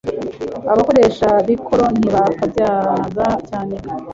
Abakoresha b'ikoro ntibakabyaga cyane,